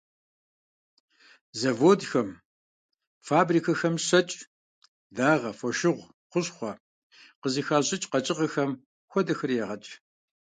Заводхэм, фабрикэхэм щэкӀ, дагъэ, фошыгъу, хущхъуэ къызыщыхащӀыкӀ къэкӀыгъэхэм хуэдэхэри ягъэкӀ.